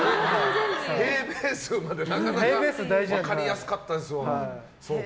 平米数まで分かりやすかったですよ。